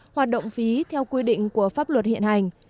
hoạt động phí theo quy định của pháp luật hiện hành